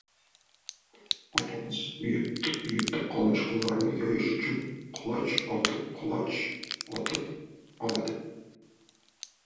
Otamiz uyutttib-uyutttib qolmish qo‘llarini yoyish uchun quloch otib-quloch otib oladi.